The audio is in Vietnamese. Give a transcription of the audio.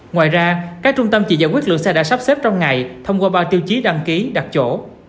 ngoài ra các trung tâm chỉ giải quyết lượng xe đã sắp xếp trong ngày thông qua bao tiêu chí đăng ký đặt chỗ